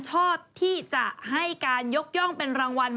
ชอบที่จะให้การยกย่องเป็นรางวัล